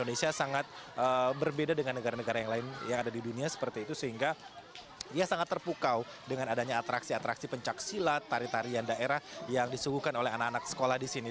indonesia sangat berbeda dengan negara negara yang lain yang ada di dunia seperti itu sehingga ia sangat terpukau dengan adanya atraksi atraksi pencaksilat tarian tarian daerah yang disuguhkan oleh anak anak sekolah di sini